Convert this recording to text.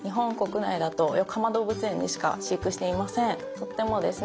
とってもですね